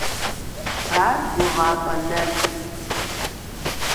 Ар гугъапӀэ нэпцӀт…